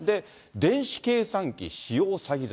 電子計算機使用詐欺罪。